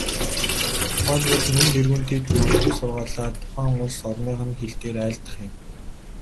Тухайлбал, нэн тэргүүнд тэд номлол сургаалаа тухайн улс орных нь хэл дээр айлдах юм.